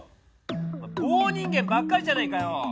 おまえ棒人間ばっかりじゃないかよ！